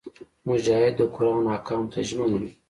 مجاهد د قران احکامو ته ژمن وي.